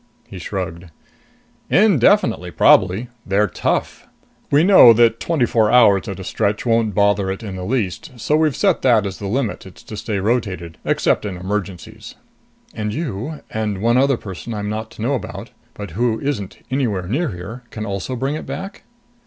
He shrugged. "Indefinitely, probably. They're tough. We know that twenty four hours at a stretch won't bother it in the least, so we've set that as the limit it's to stay rotated except in emergencies." "And you and one other person I'm not to know about, but who isn't anywhere near here can also bring it back?"